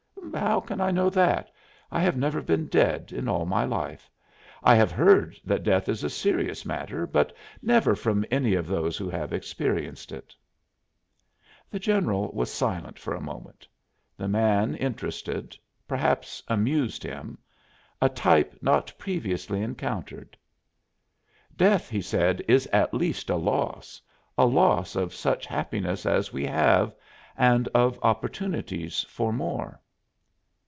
"How can I know that? I have never been dead in all my life. I have heard that death is a serious matter, but never from any of those who have experienced it." The general was silent for a moment; the man interested, perhaps amused him a type not previously encountered. "Death," he said, "is at least a loss a loss of such happiness as we have, and of opportunities for more."